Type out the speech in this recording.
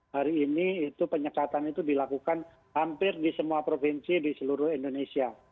hari ini itu penyekatan itu dilakukan hampir di semua provinsi di seluruh indonesia